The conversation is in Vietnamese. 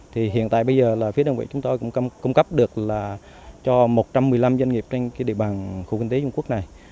thì hiện tại bây giờ là phía đơn vị chúng tôi cũng cung cấp được là cho một trăm một mươi năm doanh nghiệp trên địa bàn khu kinh tế dung quốc này